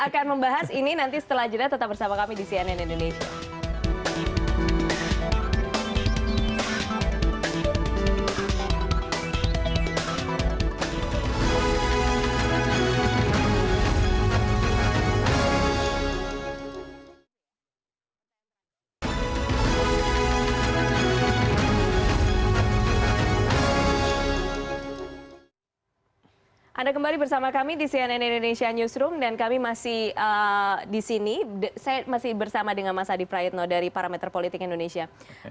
kita akan membahas ini nanti setelah jenayah tetap bersama kami di cnn indonesia